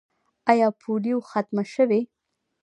آیا پولیو ختمه شوې؟